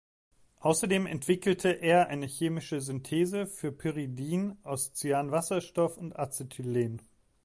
Außerdem entwickelte er eine chemische Synthese für Pyridin aus Cyanwasserstoff und Acetylen.